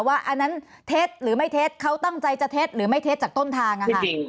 ว่าอันนั้นเทสหรือไม่เทสเขาตั้งใจจะเทสหรือไม่เทสจากต้นทาง